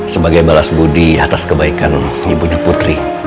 sebagai balas budi atas kebaikan ibunya putri